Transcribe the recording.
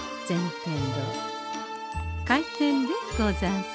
天堂開店でござんす。